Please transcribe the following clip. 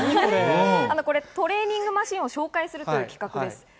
トレーニングマシンを紹介する企画です。